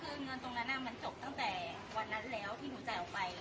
คือเงินตรงนั้นมันจบตั้งแต่วันนั้นแล้วที่หนูจ่ายออกไป